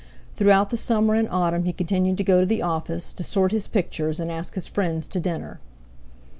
Throughout the summer and autumn he continued to go to the office, to sort his pictures, and ask his friends to dinner.